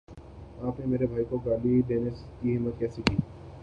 آپ نے میرے بھائی کو گالی دینے کی ہمت کیسے کی